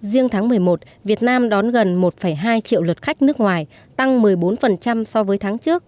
riêng tháng một mươi một việt nam đón gần một hai triệu lượt khách nước ngoài tăng một mươi bốn so với tháng trước